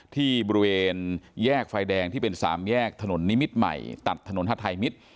ที่บริเวณแยกไฟแดงที่เป็นสามแยกถนนนิมิตรใหม่ตัดถนนฮาไทยมิตร